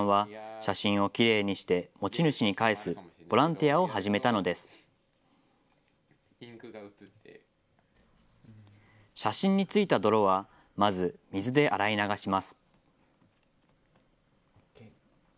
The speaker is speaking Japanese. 写真に付いた泥は、まず水で洗い流します。